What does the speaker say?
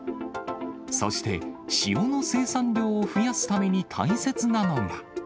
そして、塩の生産量を増やすために大切なのが。